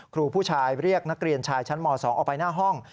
ครูผู้ชายเรียกนักเรียนชายชั้นม๒ออกไปหน้าห้อง